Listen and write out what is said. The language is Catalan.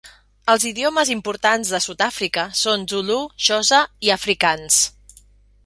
Els idiomes importants de Sud-àfrica són zulu, xosa i afrikaans.